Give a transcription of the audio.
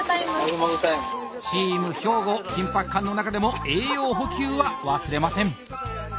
チーム兵庫緊迫感の中でも栄養補給は忘れません。